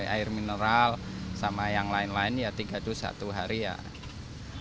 air mineral sama yang lain lain ya tiga dus satu hari ya